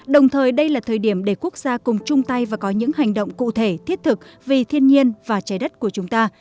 đồng thời đây là thời điểm để quốc gia cùng chung tay và có những hành động cụ thể thiết thực vì thiên nhiên và trái đất của chúng ta